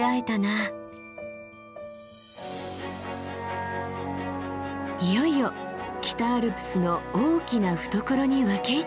いよいよ北アルプスの大きな懐に分け入っていく。